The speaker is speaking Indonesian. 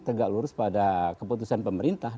tegak lurus pada keputusan pemerintah